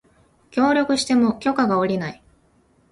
協力しても許可が降りない